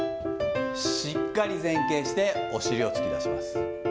しっかり前傾してお尻を突き出します。